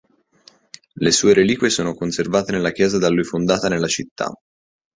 Le sue reliquie sono conservate nella chiesa da lui fondata nella città.